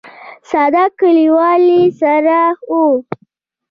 ساده کلیوالي سړی و.